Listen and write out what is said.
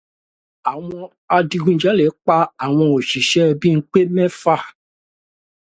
Àwọn adigunjalè pa àwọn òṣìṣẹ́ Bímpé mẹ́fà.